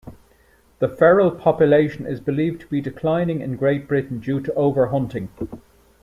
The feral population is believed to be declining in Great Britain due to over-hunting.